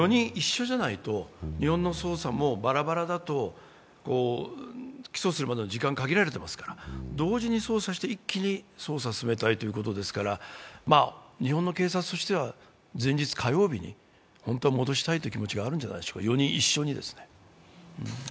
日本の捜査もバラバラだと起訴するまでの時間が限られていますから、同時に捜査して一気に捜査を進めたいということですから日本の警察としては前日の火曜日に本当は戻したいという気持ちがあるんじゃないでしょうか、４人一緒にですね。